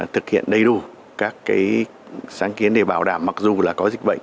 thực hiện đầy đủ các sáng kiến để bảo đảm mặc dù là có dịch bệnh